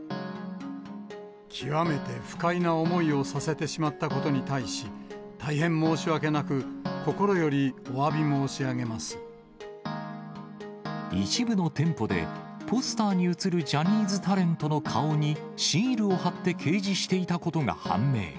極めて不快な思いをさせてしまったことに対し、大変申し訳なく、一部の店舗で、ポスターに写るジャニーズタレントの顔にシールを貼って掲示していたことが判明。